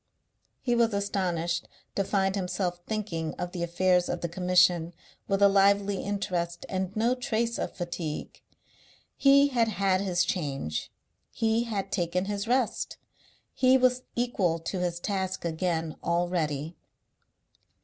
He was astonished to find himself thinking of the affairs of the Commission with a lively interest and no trace of fatigue. He had had his change; he had taken his rest; he was equal to his task again already.